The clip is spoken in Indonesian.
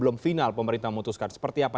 belum final pemerintah memutuskan seperti apa